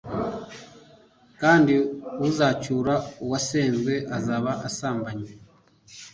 kandi uzacyura uwasenzwe azaba asambanye